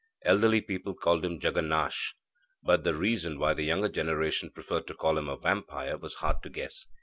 Elderly people called him Jaganash, but the reason why the younger generation preferred to call him a vampire was hard to guess.